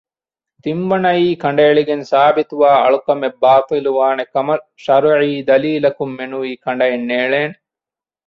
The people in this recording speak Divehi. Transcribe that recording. ތިންވަނައީ ކަނޑައެޅިގެން ސާބިތުވާ އަޅުކަމެއް ބާޠިލުވާނެކަމަށް ޝަރުޢީ ދަލީލަކުންމެނުވީ ކަނޑައެއްނޭޅޭނެ